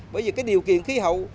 bởi vì điều kiện khí hậu